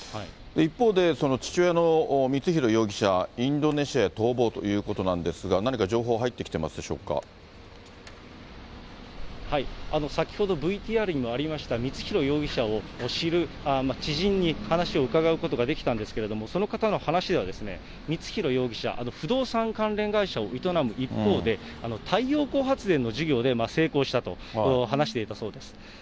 一方で、その父親の光弘容疑者、インドネシアに逃亡ということなんですが、何か情報入ってきてま先ほど、ＶＴＲにもありました、光弘容疑者を知る知人に話を伺うことができたんですけれども、その方の話では、光弘容疑者、不動産関連会社を営む一方で、太陽光発電の事業で成功したと話していたそうです。